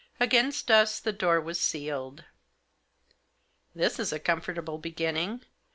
Against us the door was sealed. "This is a comfortable beginning!